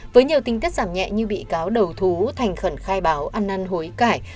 với nhiều tin tức giảm nhẹ như bị cáo đầu thú thành khẩn khai báo ăn năn hối cải